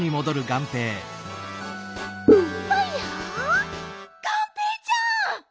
がんぺーちゃん！